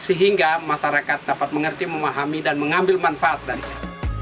sehingga masyarakat dapat mengerti memahami dan mengambil manfaat darinya